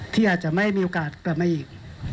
ที่อาจจะไม่มีโอกาสกลับมาอีก